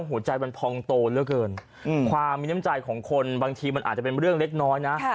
หัวใจมันพองโตเหลือเกินความมีน้ำใจของคนบางทีมันอาจจะเป็นเรื่องเล็กน้อยนะ